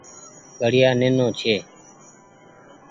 گهڙيآ نينو ڇي۔